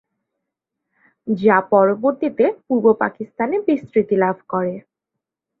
যা পরবর্তীতে পূর্ব পাকিস্তানে বিস্তৃতি লাভ করে।